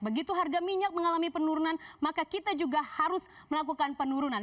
begitu harga minyak mengalami penurunan maka kita juga harus melakukan penurunan